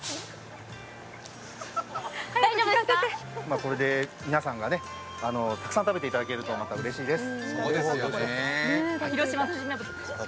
これで皆さんがたくさん食べていただけるとうれしいです。